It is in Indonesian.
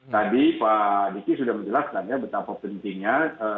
tadi pak diki sudah menjelaskan ya betapa pentingnya